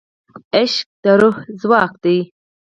عشق د روح ځواک دی.